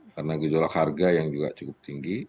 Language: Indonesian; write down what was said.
karena gejolak harga yang juga cukup tinggi